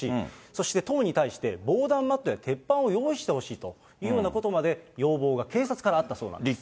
そして、党に対して、防弾マットや鉄板を用意してほしいというようなことまで要望が、警察からあったそうなんです。